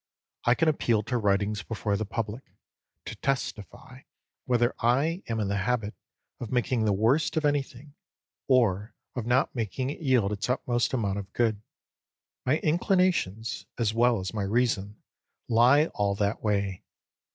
I can appeal to writings before the public, to testify whether I am in the habit of making the worst of anything, or of not making it yield its utmost amount of good. My inclinations, as well as my reason, lie all that way.